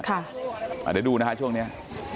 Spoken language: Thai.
ค่ะอะเดี๋ยวดูนะฮะช่วงเนี่ย